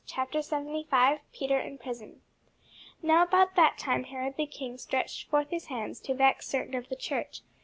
CHAPTER 75 PETER IN PRISON NOW about that time Herod the king stretched forth his hands to vex certain of the church.